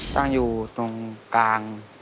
ตั้งอยู่ตรงกลาง